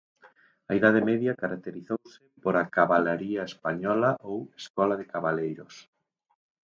A Idade Media caracterizouse pola cabalaría española ou "Escola de Cabaleiros".